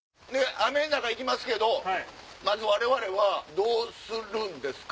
雨の中行きますけどまず我々はどうするんですか？